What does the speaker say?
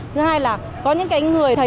thứ hai là có những cái người thấy